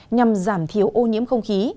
nhằm giảm thiếu ô nhiễm không khí